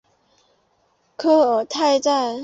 科尔泰站